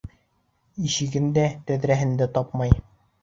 Ишеген дә, тәҙрәһен дә тапмай.